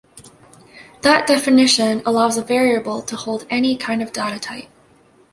That definition allows a variable to hold any kind of data type.